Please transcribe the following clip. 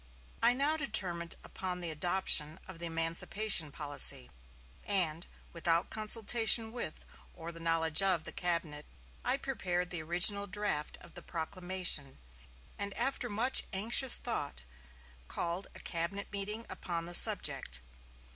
I now determined upon the adoption of the emancipation policy; and, without consultation with, or the knowledge of, the cabinet, I prepared the original draft of the proclamation, and after much anxious thought called a cabinet meeting upon the subject....